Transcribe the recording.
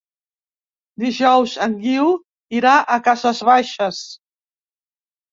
Dijous en Guiu irà a Cases Baixes.